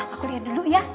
aku liat dulu ya